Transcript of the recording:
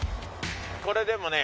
これでもね